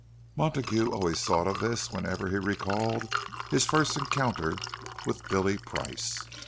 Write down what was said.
Montague always thought of this whenever he recalled his first encounter with "Billy" Price.